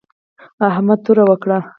احمد توره وکړه